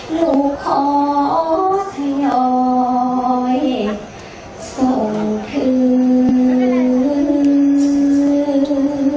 รูขอสยอยส่งถึง